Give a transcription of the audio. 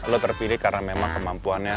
lo terpilih karena memang kemampuannya